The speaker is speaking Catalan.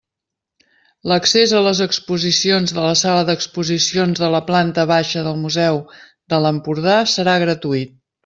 L'accés a les exposicions de la Sala d'Exposicions de la Planta Baixa del Museu de l'Empordà serà gratuït.